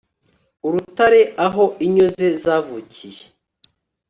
urutare, aho inyo ze zavukiye